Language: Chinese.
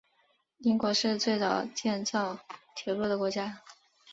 英国是最早建造铁路的国家。